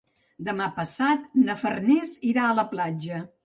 Demà passat na Farners irà a la platja.